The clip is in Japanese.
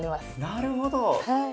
なるほど。